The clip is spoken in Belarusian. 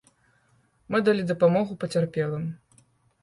Мы далі дапамогу пацярпелым.